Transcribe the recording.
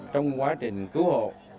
trong quá trình cứu hộ